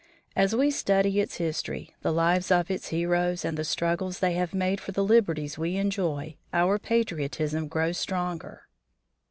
As we study its history, the lives of its heroes, and the struggles they have made for the liberties we enjoy, our patriotism grows stronger.